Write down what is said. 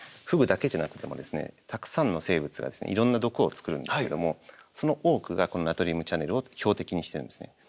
フグだけじゃなくてもたくさんの生物がいろんな毒を作るんですけどもその多くがこのナトリウムチャネルを標的にしてるんですね。